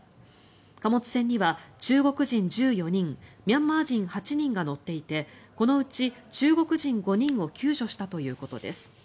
貨物船には中国人１４人ミャンマー人８人が乗っていてこのうち中国人５人を救助したということです。